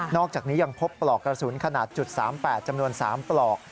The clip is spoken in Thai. อกจากนี้ยังพบปลอกกระสุนขนาด๓๘จำนวน๓ปลอก